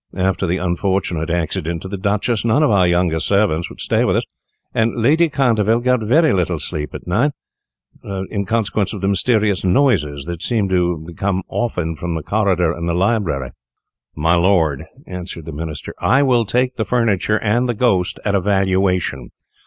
After the unfortunate accident to the Duchess, none of our younger servants would stay with us, and Lady Canterville often got very little sleep at night, in consequence of the mysterious noises that came from the corridor and the library." "My Lord," answered the Minister, "I will take the furniture and the ghost at a valuation.